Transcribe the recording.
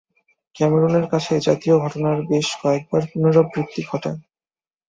ক্যামেরুনের কাছে এজাতীয় ঘটনার বেশ কয়েকবার পুনরাবৃত্তি ঘটে।